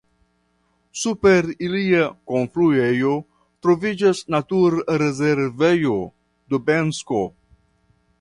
Super ilia kunfluejo troviĝas naturrezervejo Dubensko.